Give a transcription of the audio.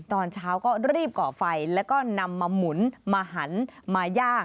ตอนเช้าก็รีบก่อไฟแล้วก็นำมาหมุนมาหันมาย่าง